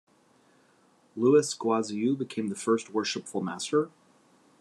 Louis Goaziou became the first Worshipful Master.